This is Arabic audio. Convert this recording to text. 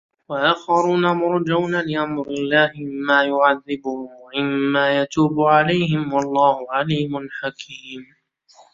وآخرون مرجون لأمر الله إما يعذبهم وإما يتوب عليهم والله عليم حكيم